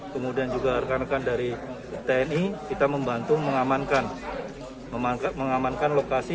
kemudian juga rekan rekan dari tni kita membantu mengamankan lokasi